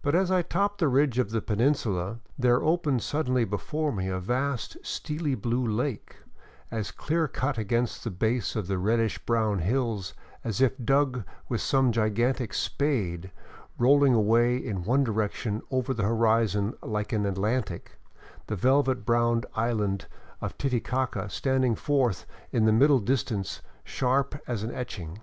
But as I topped the ridge of the peninsula, there opened suddenly before me the vast steely blue lake, as clear cut against the base of the reddish brown hills as if dug with some gigantic spade, rolling away in one direction over the horizon like an Atlantic, the velvet brown island of Titicaca standing forth in the middle distance sharp as an etching.